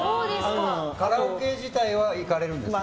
カラオケ自体は行かれるんですか？